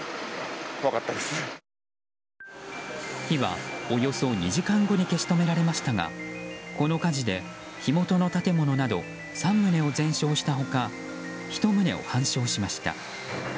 火はおよそ２時間後に消し止められましたがこの火事で火元の建物など３棟を全焼した他１棟を半焼しました。